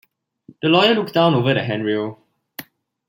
The lawyer looks down over the hand-rail.